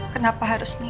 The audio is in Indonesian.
kenapa harus nino gitu